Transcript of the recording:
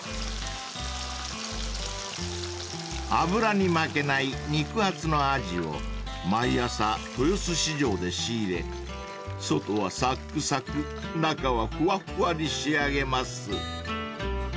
［油に負けない肉厚のアジを毎朝豊洲市場で仕入れ外はさっくさく中はふわっふわに仕上げます］